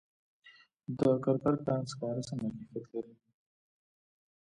د کرکر کان سکاره څنګه کیفیت لري؟